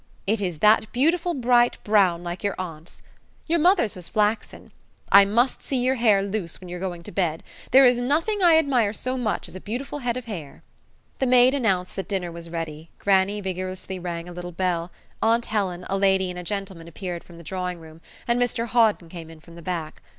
It is that beautiful bright brown like your aunt's. Your mother's was flaxen. I must see your hair loose when you are going to bed. There is nothing I admire so much as a beautiful head of hair." The maid announced that dinner was ready, grannie vigorously rang a little bell, aunt Helen, a lady, and a gentleman appeared from the drawing room, and Mr Hawden came in from the back.